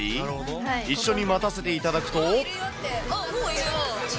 一緒に待たせていただくと。